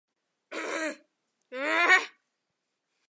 包兆龙其后亦于中国大陆各地参与多项公益项目。